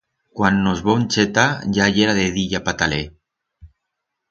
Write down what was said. Cuan nos vom chetar ya yera de diya pataler.